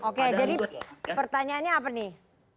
oke jadi pertanyaannya apa nih